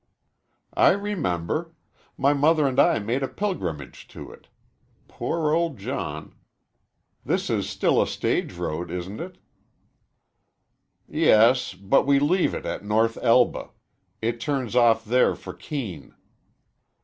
"I remember. My mother and I made a pilgrimage to it. Poor old John. This is still a stage road, isn't it?" "Yes, but we leave it at North Elba. It turns off there for Keene."